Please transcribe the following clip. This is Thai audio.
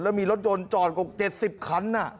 แล้วมีรถยนต์จอดกว่า๗๐คัน